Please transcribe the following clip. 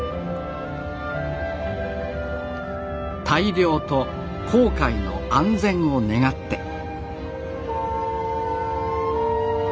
大漁と航海の安全を願って。